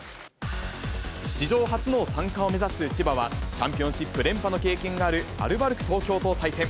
史上初の３冠を目指す千葉は、チャンピオンシップ連覇の経験があるアルバルク東京と対戦。